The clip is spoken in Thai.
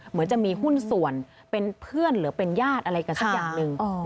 เหมือนจะมีหุ้นส่วนเป็นเพื่อนหรือเป็นญาติอะไรกันสักอย่างหนึ่ง